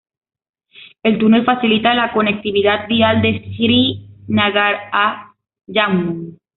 El túnel facilita la conectividad vial de Srinagar a Jammu.